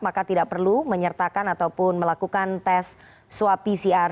maka tidak perlu menyertakan ataupun melakukan tes swab pcr